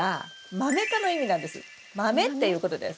マメっていうことです。